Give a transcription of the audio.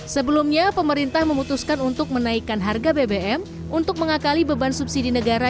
sebelumnya pemerintah memutuskan untuk menaikkan harga bbm untuk mengakali beban subsidi negara